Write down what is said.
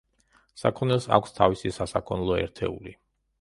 საქონელს აქვს თავისი სასაქონლო ერთეული.